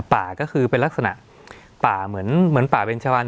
ป่าก็คือเป็นลักษณะป่าเหมือนเหมือนป่าเบนชะวัน